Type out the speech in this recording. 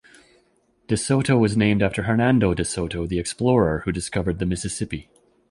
De Soto was named after Hernando De Soto the explorer who discovered the Mississippi.